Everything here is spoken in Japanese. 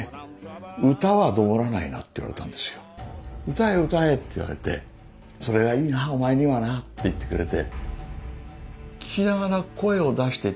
「歌え歌え」って言われて「それがいいなお前にはな」って言ってくれて。